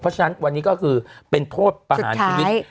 เพราะฉะนั้นวันนี้ก็คือเป็นโทษประหารชีวิต